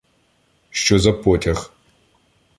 — Що за потяг?